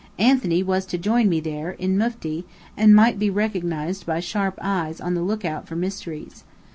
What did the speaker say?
Anthony was to join me there, in mufti, and might be recognised by sharp eyes on the lookout for mysteries.